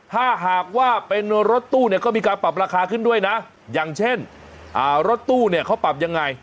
ถ้าหากว่าเป็นรถตู้เนี่ยก็มีการปรับราคาขึ้นด้วยนะอย่างเช่นรถตู้เนี่ยเขาปรับยังไง